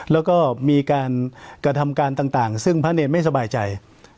แล้วก็มีการกระทำการต่างซึ่งพระเนรไม่สบายใจ